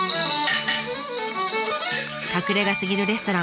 隠れ家すぎるレストラン